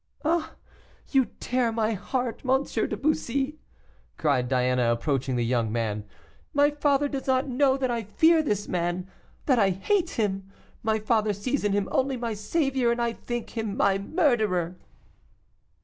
"Ah! you tear my heart, M. de Bussy," cried Diana, approaching the young man; "my father does not know that I fear this man, that I hate him; my father sees in him only my saviour, and I think him my murderer."